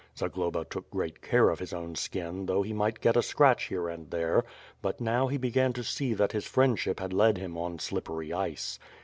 Zagloba took great care of his own skin though he might get a scratch here and there — but now he began to see that this friendship had led him on slippery ice.